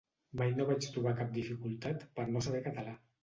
“Mai no vaig trobar cap dificultat per no saber català”